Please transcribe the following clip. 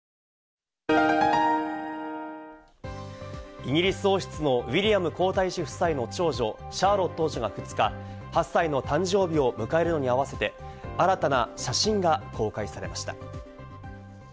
イギリス王室のウィリアム皇太子夫妻の長女・シャーロット王女が２日、８歳の誕生日を迎えるのにあわせて新たな写真が公開されました。